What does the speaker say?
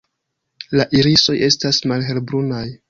La irisoj estas malhelbrunaj.